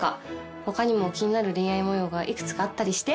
他にも気になる恋愛模様がいくつかあったりして？